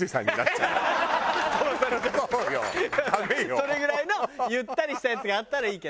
それぐらいのゆったりしたやつがあったらいいけど。